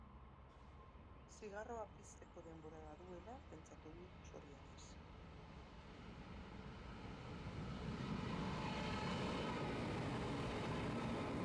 Zigarroa pizteko denbora baduela pentsatu du, zorionez.